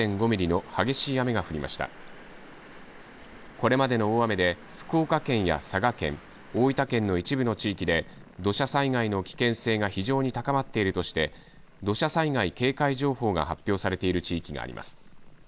これまでの大雨で福岡県や佐賀県、大分県の一部の地域で土砂災害の危険性が非常に高まっているとして土砂災害警戒情報が発表されている地域があります。